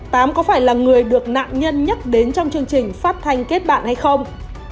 tám có phải là người được nạn nhân nhắc đến trong chương trình phát thanh kết bạn hay không